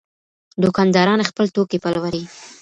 دوکانداران خپل توکي پلوري.